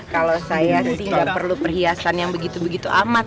kalau saya sih nggak perlu perhiasan yang begitu begitu amat